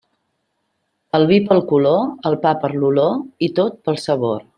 El vi pel color, el pa per l'olor, i tot pel sabor.